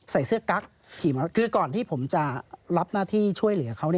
ใส่เสื้อกั๊กขี่มาคือก่อนที่ผมจะรับหน้าที่ช่วยเหลือเขา